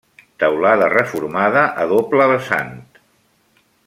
Teulada reformada a doble vessant.